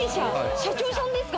社長さんですか？